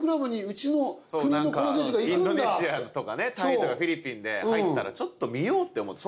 インドネシアとかタイとかフィリピンで入ったらちょっと見ようって思う。